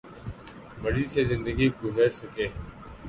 مرضی سے زندگی گرز سکیں